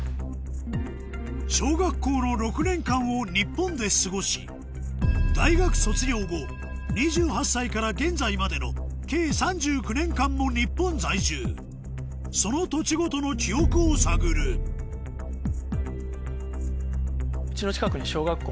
小学校の６年間を日本で過ごし大学卒業後２８歳から現在までの計３９年間も日本在住その土地ごとの記憶を探るあっ！